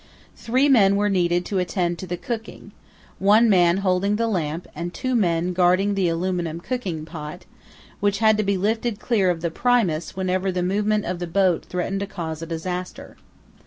Three men were needed to attend to the cooking, one man holding the lamp and two men guarding the aluminium cooking pot, which had to be lifted clear of the Primus whenever the movement of the boat threatened to cause a disaster.